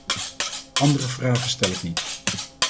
Andere vragen stel ik niet.